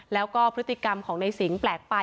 แล้วก็พฤติกรรมของในสิงห์แปลกไป